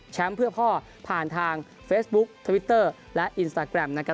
เพื่อพ่อผ่านทางเฟซบุ๊คทวิตเตอร์และอินสตาแกรมนะครับ